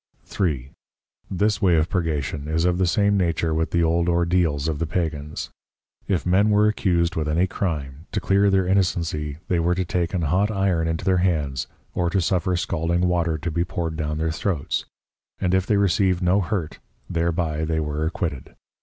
3. This way of Purgation is of the same nature with the old Ordeals of the Pagans. If Men were accused with any Crime, to clear their innocency, they were to take an hot Iron into their Hands, or to suffer scalding Water to be poured down their Throats, and if they received no hurt thereby they were acquitted.